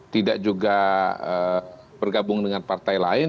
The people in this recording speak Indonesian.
tidak juga bergabung dengan partai lain